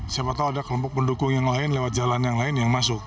siapa tahu ada kelompok pendukung yang lain lewat jalan yang lain yang masuk